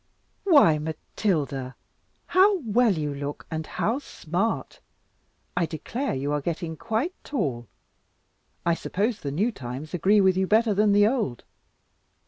"Why, Matilda, how well you look, and how smart! I declare you are getting quite tall. I suppose the new times agree with you better than the old."